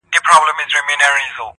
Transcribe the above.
زما په غــېږه كــي نــاســور ويـده دی.